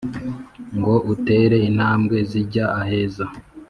ngo utere intambwe zijya aheza,